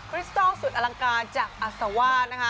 คริสตอลสุดอลังการจากอสาว้า